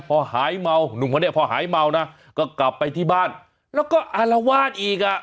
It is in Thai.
พอหายเมาหนุ่มคนนี้พอหายเมานะก็กลับไปที่บ้านแล้วก็อารวาสอีกอ่ะ